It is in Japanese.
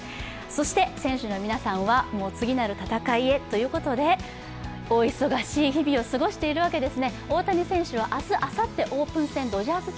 選手の皆さんは、次なる戦いへということで、お忙しい日々を過ごしているわけです。